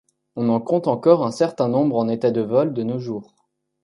On en compte encore un certain nombre en état de vol de nos jours.